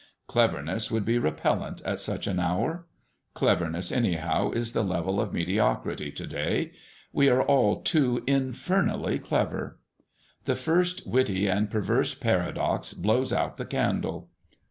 Cleverness would be repellent at such an hour. Cleverness, anyhow, is the level of mediocrity to day; we are all too infernally clever. The first witty and perverse paradox blows out the candle.